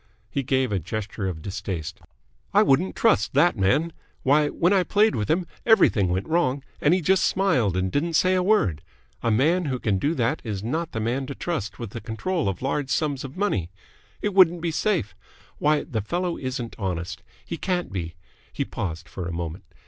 He gave a gesture of distaste. "I wouldn't trust that man. Why, when I played with him, everything went wrong, and he just smiled and didn't say a word. A man who can do that is not the man to trust with the control of large sums of money. It wouldn't be safe. Why, the fellow isn't honest! He can't be." He paused for a moment.